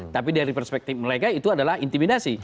tapi dari perspektif mereka itu adalah intimidasi